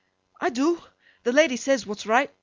'I do. The lady says what's right.